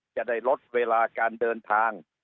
จะได้ลดเวลาการเดินทาง